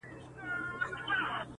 هغه چي ځان زما او ما د ځان بولي عالمه.